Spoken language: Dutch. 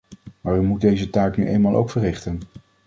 Maar u moet deze taak nu eenmaal ook verrichten.